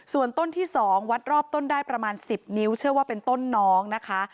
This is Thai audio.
ส่วนต้นที่๒วัดรอบต้นได้ประมาณ๑๐นิ้วเชื่อว่าเป็นต้นน้องนะคะ